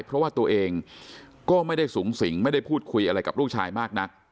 เพราะว่าตัวเองก็ไม่ได้สูงสิงไม่ได้พูดคุยอะไรกับลูกชายมากนัก